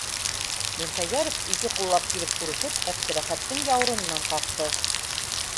- Мирхәйҙәров, ике ҡуллап килеп күрешеп, Әптеләхәттең яурынынан ҡаҡты.